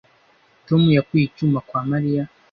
Tom yakuye icyuma kwa Mariya